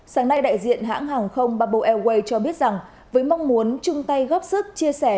sáng nay đại diện hãng hàng không bamboo airways cho biết rằng với mong muốn chung tay góp sức chia sẻ